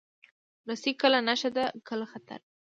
رسۍ کله نښه ده، کله خطر.